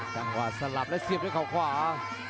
จังหวะสลับและเสียบด้วยเขาขวา